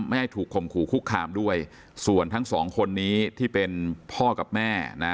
ไม่ให้ถูกคมขู่คุกคามด้วยส่วนทั้งสองคนนี้ที่เป็นพ่อกับแม่นะ